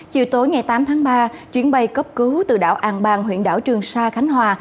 chiều tối ngày tám tháng ba chuyến bay cấp cứu từ đảo an bang huyện đảo trường sa khánh hòa